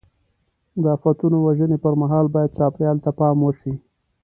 د آفتونو وژنې پر مهال باید چاپېریال ته پام وشي.